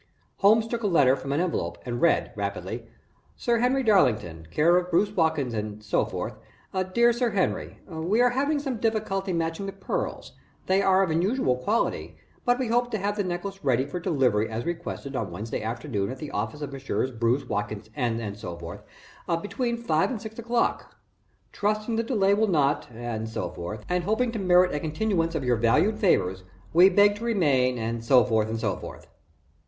Holmes took a letter from an envelope and read, rapidly: Sir Henry Darlington care of Bruce, Watkins and so forth dear Sir Henry We are having some difficulty matching the pearls they are of unusual quality, but we hope to have the necklace ready for delivery as requested on Wednesday afternoon at the office of Messrs. Bruce, Watkins and so forth, between five and six o'clock. Trusting the delay will not and so forth and hoping to merit a continuance of your valued favors, we beg to remain, and so forth, and so forth.